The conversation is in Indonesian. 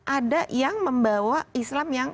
ada yang membawa islam yang